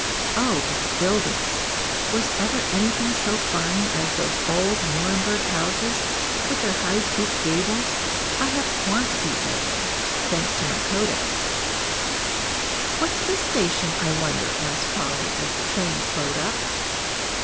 "Oh, but the buildings was ever anything so fine as those old Nuremberg houses, with their high peaked gables! I have quantities of them thanks to my kodak." "What's this station, I wonder?" asked Polly, as the train slowed up.